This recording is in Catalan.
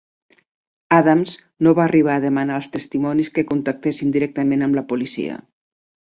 Adams no va arribar a demanar als testimonis que contactessin directament amb la policia.